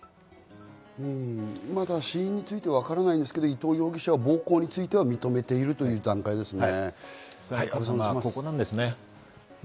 まだ死因についてわからないんですが、伊藤容疑者は暴行について認めているという段階ですね。